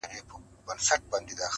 هی توبه چي ورور له ورور څخه پردی سي-